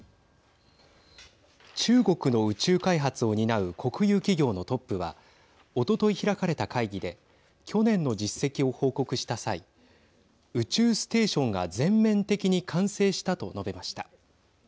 中国の宇宙開発を担う国有企業のトップはおととい開かれた会議で去年の実績を報告した際宇宙ステーションが全面的に完成したと述べました。